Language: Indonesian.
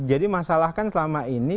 jadi masalah kan selama ini